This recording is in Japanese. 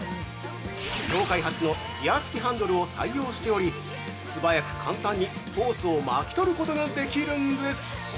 業界初のギア式ハンドルを採用しており素早く簡単にホースを巻き取ることができるんです！